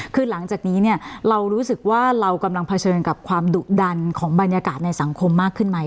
คือหลังจากนี้เนี่ยเรารู้สึกว่าเรากำลังเผชิญกับความดุดันของบรรยากาศในสังคมมากขึ้นไหม